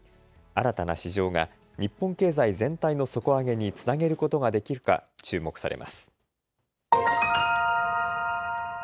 新たな市場が日本経済全体の底上げにつなげることができるか注目されます。